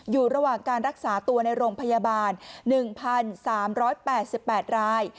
อยู่ระหว่างการรักษาตัวในโรงพยาบาล๑๓๘๘ราย